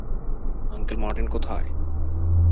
Uncle Martin কোথায়?